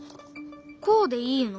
こうでいいの？